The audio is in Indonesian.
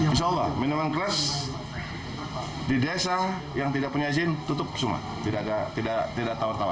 insya allah minuman keras di desa yang tidak punya izin tutup semua tidak tawar tawar